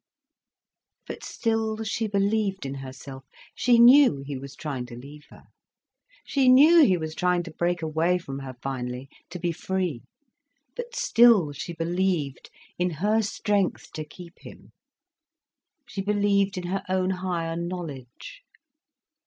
But still she believed in herself. She knew he was trying to leave her. She knew he was trying to break away from her finally, to be free. But still she believed in her strength to keep him, she believed in her own higher knowledge.